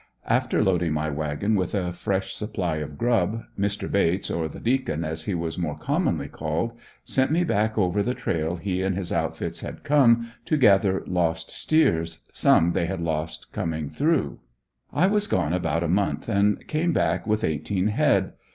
After loading my wagon with a fresh supply of grub, Mr. Bates, or the "Deacon" as he was more commonly called, sent me back over the trail he and his outfits had come, to gather lost steers some they had lost coming through. I was gone about a month and came back with eighteen head.